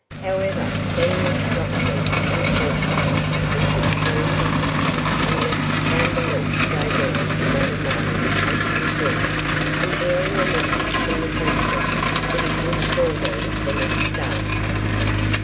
However, being a Scotchman and cautious, he took very little, and left Vandeloup to go down to Madame Midas at St Kilda, and bearing a message from the Frenchman that he would call there the next day.